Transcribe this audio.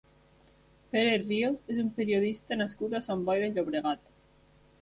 Pere Ríos és un periodista nascut a Sant Boi de Llobregat.